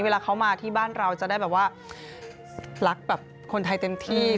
เวลาเขามาที่บ้านเราจะได้แบบว่ารักแบบคนไทยเต็มที่